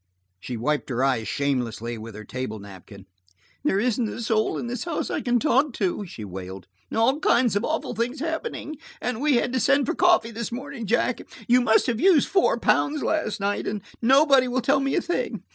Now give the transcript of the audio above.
She wiped her eyes shamelessly with her table napkin. "There isn't a soul in this house I can talk to," she wailed. "All kinds of awful things happening–and we had to send for coffee this morning, Jack. You must have used four pounds last night–and nobody will tell me a thing.